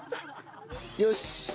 よし！